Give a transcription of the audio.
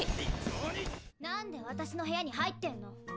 なんで私の部屋に入ってんの？